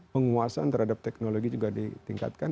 penguasaan terhadap teknologi juga ditingkatkan